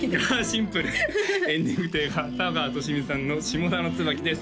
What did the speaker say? シンプルフフフエンディングテーマは田川寿美さんの「下田の椿」です